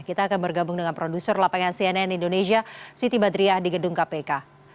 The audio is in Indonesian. kita akan bergabung dengan produser lapangan cnn indonesia siti badriah di gedung kpk